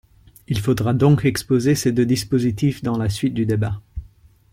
Il faudra donc exposer ces deux dispositifs dans la suite du débat.